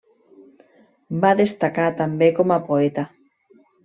Va destacar també com a poeta.